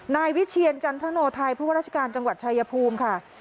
นายวิเชียรจันทโนไทยผู้ว่าราชการจังหวัดชายภูมิค่ะ